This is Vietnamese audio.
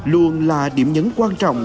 luôn là điểm nhấn quan trọng